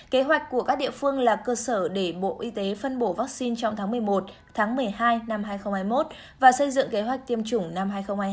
kế hoạch của các địa phương là cơ sở để bộ y tế phân bổ vaccine trong tháng một mươi một tháng một mươi hai năm hai nghìn hai mươi một và xây dựng kế hoạch tiêm chủng năm hai nghìn hai mươi